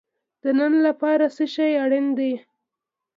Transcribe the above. د نن لپاره څه شی اړین دی؟